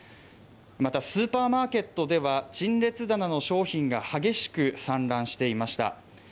またスーパーマーケットでは陳列棚の商品が激しく散乱していました